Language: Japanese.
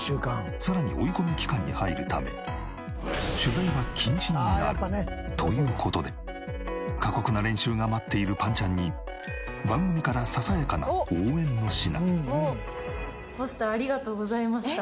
さらに追い込み期間に入るため取材は禁止になるという事で過酷な練習が待っているぱんちゃんに番組からささやかな応援の品。